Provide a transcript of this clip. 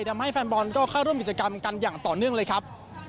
ทำให้แฟนบอลก็เข้าร่วมกิจกรรมกันอย่างต่อเนื่องเลยครับ